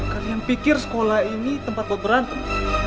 kalian pikir sekolah ini tempat buat berantem